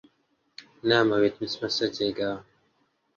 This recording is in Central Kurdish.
نامەوێت بچمە سەر جێگا.